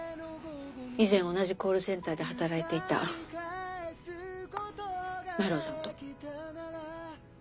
以前同じコールセンターで働いていた鳴尾さんと。